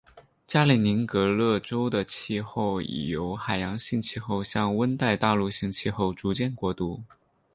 加里宁格勒州的气候已由海洋性气候向温带大陆性气候逐渐过渡。